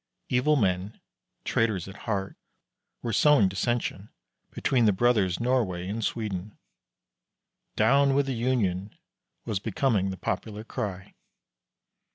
Evil men, traitors at heart, were sowing dissension between the brothers Norway and Sweden. "Down with the Union!" was becoming the popular cry.